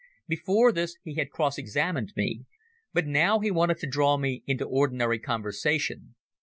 Before this he had cross examined me, but now he wanted to draw me into ordinary conversation.